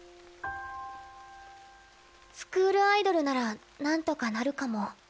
「スクールアイドルなら何とかなるかも」。